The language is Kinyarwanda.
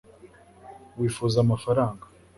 wifuza amafaranga